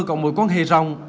còn mối quan hệ ròng